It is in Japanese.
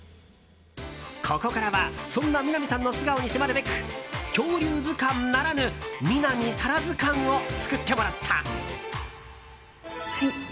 ここからはそんな南さんの素顔に迫るべく「恐竜図鑑」ならぬ南沙良図鑑を作ってもらった！